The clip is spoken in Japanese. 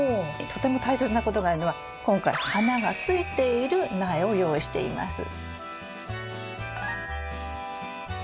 とても大切なことがあるのは今回花がついている苗を用意しています。